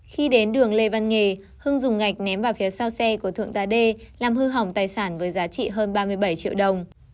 khi đến đường lê văn nghề hưng dùng gạch ném vào phía sau xe của thượng tá đê làm hư hỏng tài sản với giá trị hơn ba mươi bảy triệu đồng